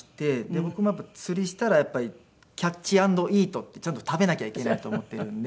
僕も釣りしたらやっぱりキャッチアンドイートってちゃんと食べなきゃいけないと思っているんで。